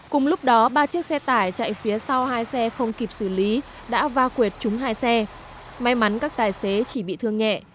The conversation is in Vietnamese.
cùng lúc đó ba chiếc xe tải chạy phía sau hai xe không kịp xử lý đã va quyệt chúng hai xe may mắn các tài xế chỉ bị thương nhẹ